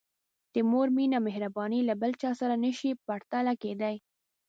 د مور مینه او مهرباني له بل چا سره نه شي پرتله کېدای.